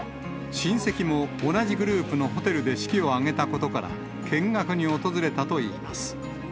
親戚も同じグループのホテルで式を挙げたことから見学に訪れたといいます。